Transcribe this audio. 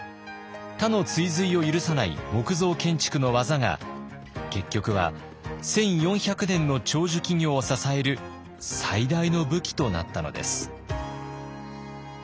他の追随を許さない木造建築の技が結局は１，４００年の長寿企業を支える最大の武器となったのです。